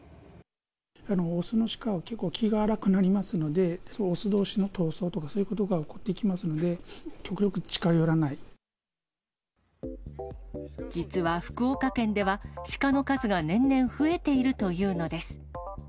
雄のシカは結構、気が荒くなりますので、雄どうしの闘争とか、そういうことが起こってきますので、極力、実は福岡県では、シカの数が年々増えているというのです。